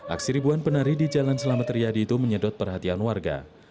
aksi ribuan penari di jalan selamat riyadi itu menyedot perhatian warga